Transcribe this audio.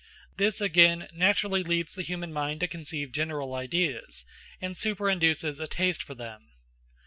This again naturally leads the human mind to conceive general ideas, and superinduces a taste for them.